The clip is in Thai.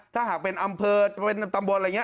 ถ้าหากเป็นอำเภอเป็นตำบลอะไรอย่างนี้